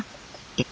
えっ。